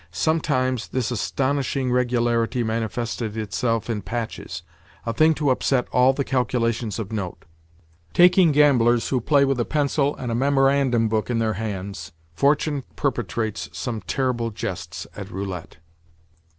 Sometimes, this astonishing regularity manifested itself in patches; a thing to upset all the calculations of note—taking gamblers who play with a pencil and a memorandum book in their hands Fortune perpetrates some terrible jests at roulette!